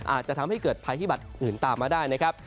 อาจจะทำให้เกิดภัยพิบัตรอื่นตามมาได้นะครับ